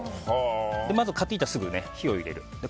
まず買ってきたらすぐ火を入れる。